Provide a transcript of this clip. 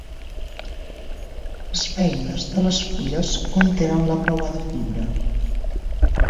Les beines de les fulles contenen la preuada fibra.